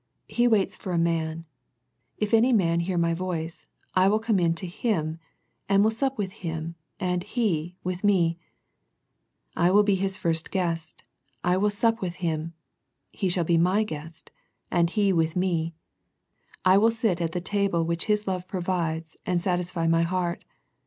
He waits for a man, " If any man hear My voice, I will come in to hintj and will sup with him and he with Me." I will first be his Guest " I will sup with him." He shall be My guest, "and he with Me/' I will sit at the table which his love provides and satisfy My heart.